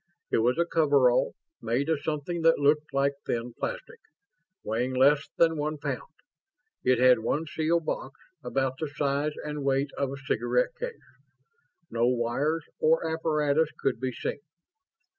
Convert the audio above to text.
It was a coverall, made of something that looked like thin plastic, weighing less than one pound. It had one sealed box, about the size and weight of a cigarette case. No wires or apparatus could be seen.